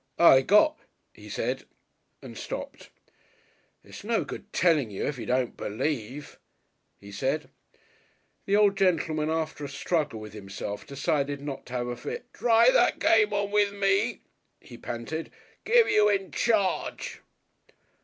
"I got " he said and stopped. "It's no good telling you if you don't believe," he said. The old gentleman, after a struggle with himself, decided not to have a fit. "Try that game on with me," he panted. "Give you in charge."